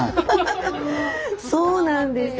そうなんです。